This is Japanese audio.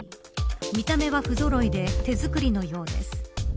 見た目はふぞろいで手作りのようです。